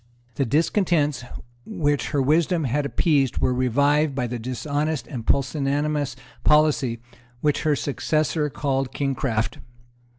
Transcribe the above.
The discontents which her wisdom had appeased were revived by the dishonest and pusillanimous policy which her successor called Kingcraft.